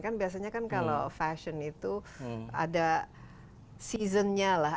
kan biasanya kan kalau fashion itu ada seasonnya lah